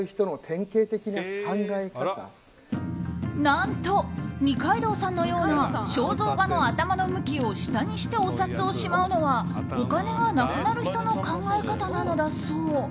何と、二階堂さんのような肖像画の頭の向きを下にしてお札をしまうのはお金がなくなる人の考え方なのだそう。